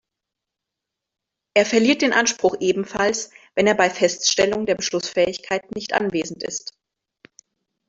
Er verliert den Anspruch ebenfalls, wenn er bei Feststellung der Beschlussfähigkeit nicht anwesend ist.